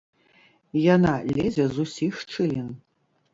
Яна лезе з усіх шчылін.